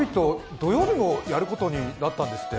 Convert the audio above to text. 土曜日もやることになったんですって。